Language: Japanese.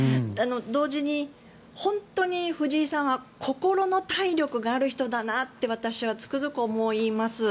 同時に、本当に藤井さんは心の体力がある人だなって私はつくづく思います。